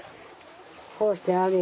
こうしてあげて。